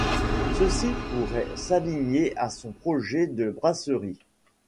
Ceci pourrait s'aligner à son projet de brasserie.